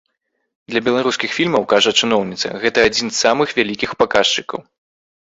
Для беларускіх фільмаў, кажа чыноўніца, гэта адзін з самых вялікіх паказчыкаў.